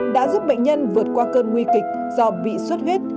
đã giúp bệnh nhân vượt qua cơn nguy kịch do bị xuất huyết